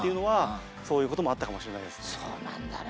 そうなんだね！